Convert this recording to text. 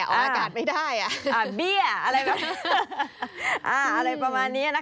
เอาอากาศไม่ได้อ่ะเบี้ยอะไรแบบนี้